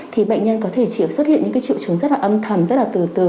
thì bệnh nhân có thể xuất hiện những triệu chứng rất âm thầm rất từ từ